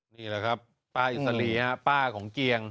นี่แหละครับป้าอิสรีฮะป้าของเกียง